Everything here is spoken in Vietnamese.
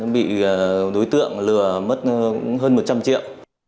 bị đối tượng lừa mất hơn một trăm linh triệu